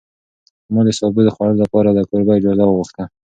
ما د سابو د خوړلو لپاره له کوربه اجازه وغوښته.